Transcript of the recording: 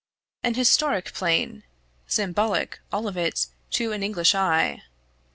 An historic plain symbolic, all of it, to an English eye.